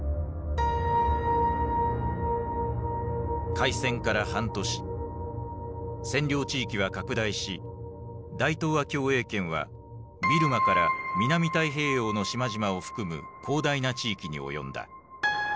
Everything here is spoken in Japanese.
開戦から半年占領地域は拡大し大東亜共栄圏はビルマから南太平洋の島々を含む広大な地域に及んだ。